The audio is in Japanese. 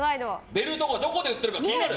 ベルトがどこで売ってるのか気になる。